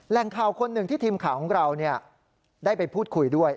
แหล่งข่าวคนหนึ่งที่ทีมข่าวของเราได้ไปพูดคุยด้วย